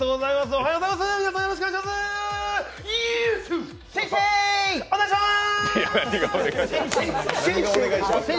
おはようございます！